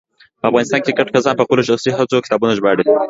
په افغانستان کې ګڼ کسان په خپلو شخصي هڅو کتابونه ژباړي